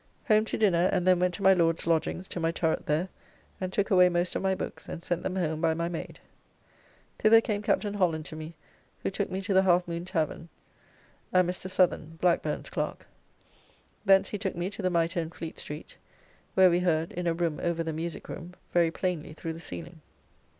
Home to dinner, and then went to my Lord's lodgings to my turret there and took away most of my books, and sent them home by my maid. Thither came Capt. Holland to me who took me to the Half Moon tavern and Mr. Southorne, Blackburne's clerk. Thence he took me to the Mitre in Fleet Street, where we heard (in a room over the music room) very plainly through the ceiling.